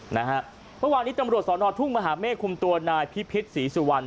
เมื่อวานนี้ตำรวจสอนอทุ่งมหาเมฆคุมตัวนายพิพิษศรีสุวรรณ